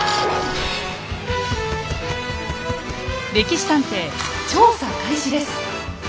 「歴史探偵」調査開始です。